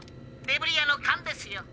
「デブリ屋のカンですよ。